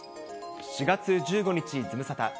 ４月１５日、ズムサタ。